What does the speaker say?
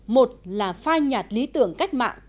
một là phai nhạt lý tưởng cách mạng